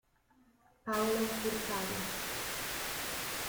Paolo Hurtado